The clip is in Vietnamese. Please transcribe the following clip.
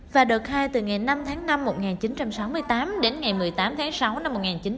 và đợt hai từ ngày năm tháng năm một nghìn chín trăm sáu mươi tám đến ngày một mươi tám tháng sáu năm một nghìn chín trăm bảy mươi